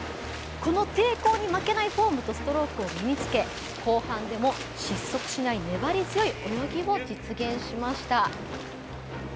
この抵抗に負けないフォームとストロークを身につけ後半でも失速しない粘り強い泳ぎを実現しました。